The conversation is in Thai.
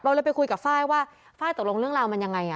เราเลยไปคุยกับฟ้ายว่าฟ้ายตกลงเรื่องราวมันยังไงอ่ะ